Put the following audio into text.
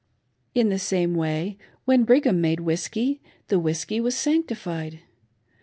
In the same way, ^yhen Brigham made whiskey, the whiskey \vas panctified.